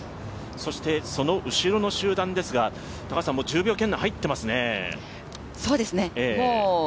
その後ろの集団ですが、もう１０秒圏内に入ってますね。